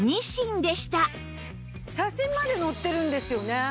写真まで載ってるんですよね。